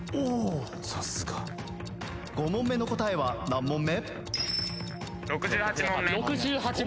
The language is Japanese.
５問目の答えは何問目？